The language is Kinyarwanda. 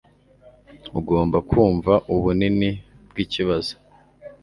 Ugomba kumva ubunini bwikibazo